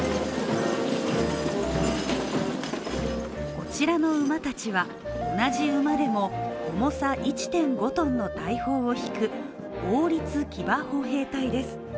こちらの馬たちは、同じ馬でも、重さ１．５ｔの大砲を引く王立騎馬砲兵隊です。